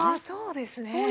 そうですね。